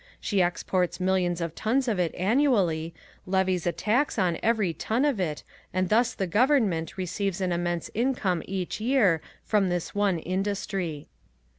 She exports millions of tons of it annually, levies a tax on every ton of it and thus the government receives an immense income each year from this one industry.